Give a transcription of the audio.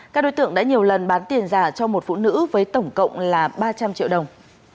các đối tượng đã nhiều lần bán tiền giả cho một phụ nữ với tổng cộng là ba trăm linh triệu đồng